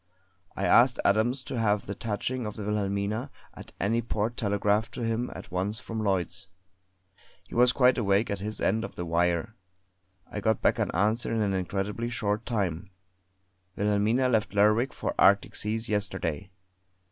I asked Adams to have the touching of the Wilhelmina at any port telegraphed to him at once from Lloyds. He was quite awake at his end of the wire; I got back an answer in an incredibly short time: "Wilhelmina left Lerwick for Arctic seas yesterday."